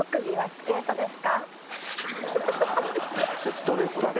ストレートだな。